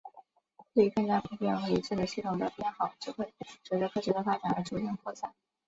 对更加普遍和一致的系统的偏好只会随着科学的发展而逐渐扩散。